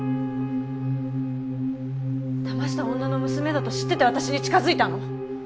騙した女の娘だと知ってて私に近づいたの？